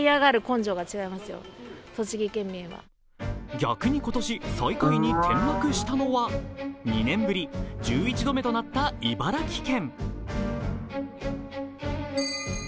逆に今年最下位に転落したのは２年ぶり１１度目となった茨城県。